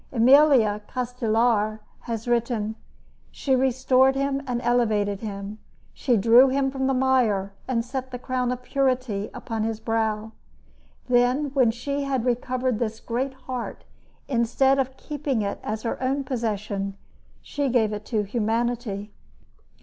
Emilio Castelar has written: She restored him and elevated him. She drew him from the mire and set the crown of purity upon his brow. Then, when she had recovered this great heart, instead of keeping it as her own possession, she gave it to humanity.